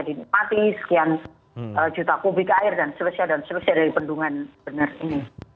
sudah bisa dinikmati sekian juta kubik air dan selesai dari pendungan benar ini